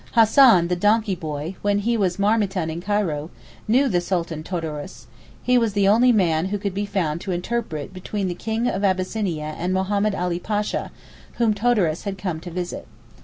Hassan the donkeyboy, when he was a marmiton in Cairo, knew the Sultan Todoros, he was the only man who could be found to interpret between the then King of Abyssinia and Mohammed Ali Pasha, whom Todoros had come to visit.